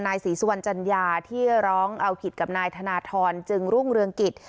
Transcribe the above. นายศรีสุวรรณจัญญาที่ร้องเอาผิดกับนายธนทรจึงรุ่งเรืองกิจ